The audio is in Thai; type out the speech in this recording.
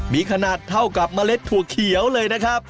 มีขนาดเท่ากับเมล็ดถั่วเขียวเลยนะครับ